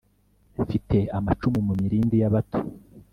Mfite amacumu mu milindi y’abato,